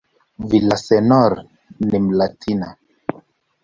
Villaseñor ni "Mlatina".